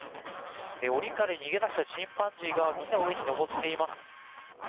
おりから逃げ出したチンパンジーが木の上に登っています。